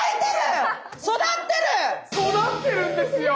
育ってるんですよ。